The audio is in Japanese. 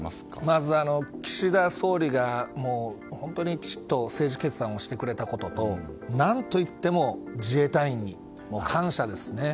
まず、岸田総理が本当にきちっと政治決断をしてくれたことと何と言っても自衛隊員に感謝ですね。